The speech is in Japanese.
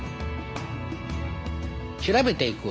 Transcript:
調べていく。